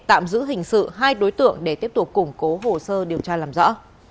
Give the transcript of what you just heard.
tạm giữ hình sự hai đối tượng để tiếp tục củng cố hồ sơ điều tra làm rõ